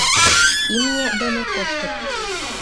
Имне дене коштыт.